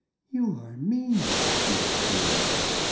"You are mean!" she exclaimed.